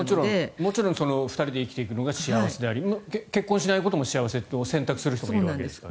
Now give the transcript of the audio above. もちろん２人で生きていくのが幸せであり結婚しないことも幸せと選択する人もいるわけですね。